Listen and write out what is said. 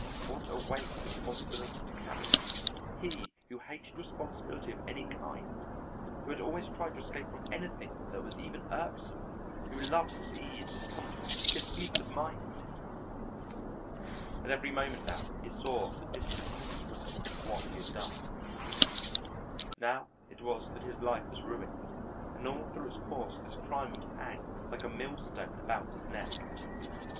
What a weight of responsibility to carry he who hated responsibility of any kind, who had always tried to escape from anything that was even irksome, who loved his ease, his comfort, his peace of mind! At every moment now he saw the different consequences of what he had done. Now, it was that his life was ruined, and that all through its course this crime would hang like a millstone about his neck.